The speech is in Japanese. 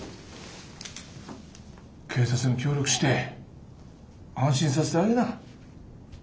警察に協力して安心させてあげな。